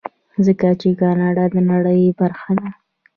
ځکه چې کاناډا د نړۍ برخه ده.